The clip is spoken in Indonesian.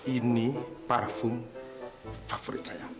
ini parfum favorit saya